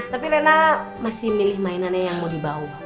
tapi lena masih milih mainannya yang mau dibawa